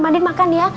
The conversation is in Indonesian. mbak andin makan ya